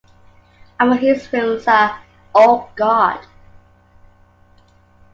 Among his films are Oh, God!